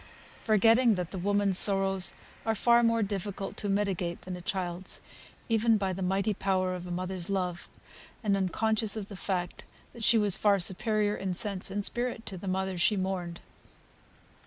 Forgetting that the woman's sorrows are far more difficult to mitigate than a child's, even by the mighty power of a mother's love; and unconscious of the fact, that she was far superior in sense and spirit to the mother she mourned.